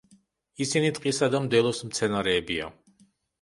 ისინი ტყისა და მდელოს მცენარეებია.